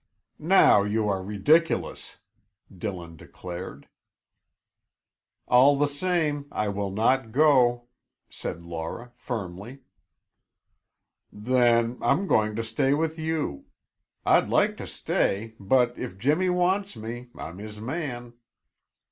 "Now you are ridiculous!" Dillon declared. "All the same, I will not go," said Laura firmly. "Then, I'm going to stay with you. I'd like to stay, but if Jimmy wants me, I'm his man."